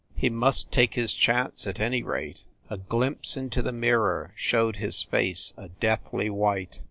He must take his chance, at any rate. A glimpse into a mirror showed his face a deathly white.